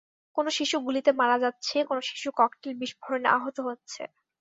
কোনো শিশু গুলিতে মারা যাচ্ছে, কোনো শিশু ককটেল বিস্ফোরণে আহত হচ্ছে।